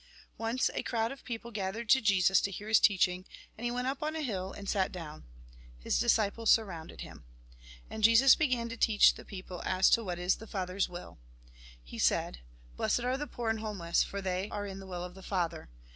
Once a crowd of people gathered to Jesus, to hear his teaching ; and he went up on a hdl and sat down. His disciples surrounded him. And Jesus began to teach the people as to what is the Father's will. He said :— Blessed are the poor and homeless, for they are in the will of the Father.